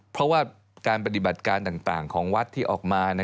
เพราะว่าการปฏิบัติการต่างของวัดที่ออกมา